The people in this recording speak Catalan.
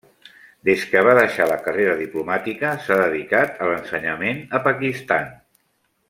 Des que va deixar la carrera diplomàtica s'ha dedicat a l'ensenyament a Pakistan.